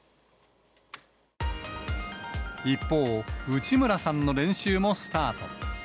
一方、内村さんの練習もスタート。